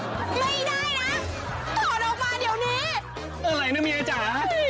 ไม่ได้นะถอนออกมาเดี๋ยวนี้